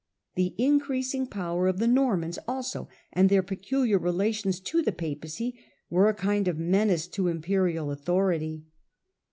The increasing power of the Normans also, and their peculiar relations to the Papacy, were a kind of menace to imperial authority.